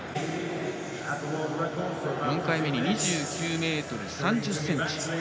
４回目に２９ｍ３０ｃｍ。